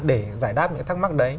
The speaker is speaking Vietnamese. để giải đáp những thắc mắc đấy